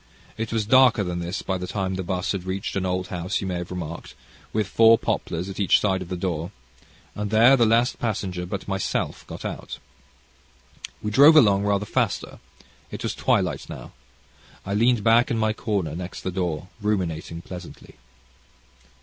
It was darker than this by the time the 'bus had reached an old house, you may have remarked, with four poplars at each side of the door, and there the last passenger but myself got out. We drove along rather faster. It was twilight now. I leaned back in my corner next the door ruminating pleasantly.